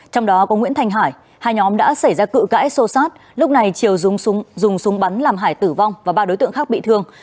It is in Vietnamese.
trong đó có nguyễn thành hải hai nhóm đã xảy ra cự cãi xô sát lúc này triều dùng súng bắn làm hải tử vong và ba đối tượng khác bị thương